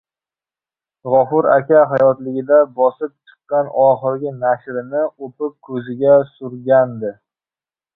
G‘afur aka hayotligida bosilib chiqqan oxirgi nashrini o‘pib ko‘ziga surtgandi.